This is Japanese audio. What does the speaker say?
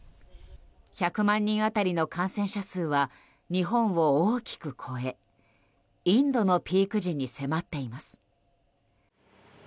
１００万人当たりの感染者数は日本を大きく超えインドのピーク時に迫っています。